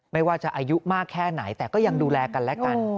ไม่ว่าจะอายุมากแค่ไหนแต่ก็ยังดูแลกันและกัน